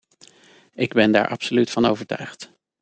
Ik ben daar absoluut van overtuigd.